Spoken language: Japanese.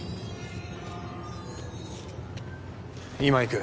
今行く。